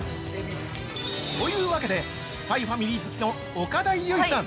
◆というわけで「ＳＰＹｘＦＡＭＩＬＹ」好きの岡田結実さん！